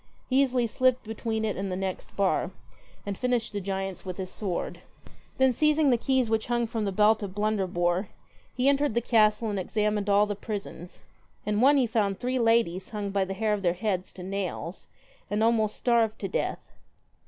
He easily slipped between it and the next bar, and finished the giants with his sword. Then seizing the keys which hung from the belt of Blunderbpre, he entered the castle and examined all the prisons. In one he found three ladies hung by the hair of their heads to nails, and almost starved to death.